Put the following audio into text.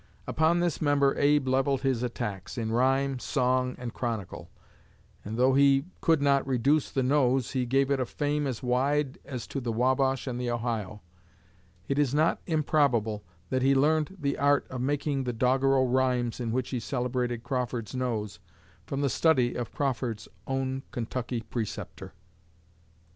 Upon this member Abe levelled his attacks, in rhyme, song, and chronicle; and though he could not reduce the nose he gave it a fame as wide as to the Wabash and the Ohio. It is not improbable that he learned the art of making the doggerel rhymes in which he celebrated Crawford's nose from the study of Crawford's own 'Kentucky Preceptor.'"